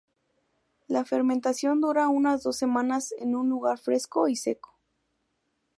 La fermentación dura unas dos semanas en un lugar fresco y seco.